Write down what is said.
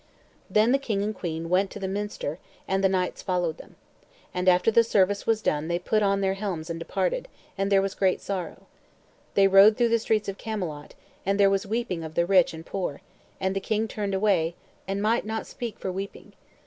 Then the king and the queen went to the minster, and the knights followed them. And after the service was done they put on their helms and departed, and there was great sorrow. They rode through the streets of Camelot, and there was weeping of the rich and poor; and the king turned away, and might not speak for weeping.